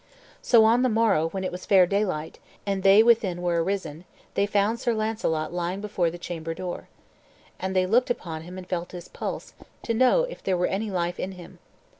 So on the morrow, when it was fair daylight, and they within were arisen, they found Sir Launcelot lying before the chamber door. And they looked upon him and felt his pulse, to know if there were any life in him.